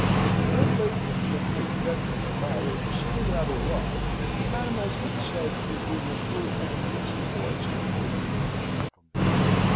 When one lady objected that these latter were sitting rather long, Madam Esmond said: "It would improve and amuse the boys to be with the English gentlemen.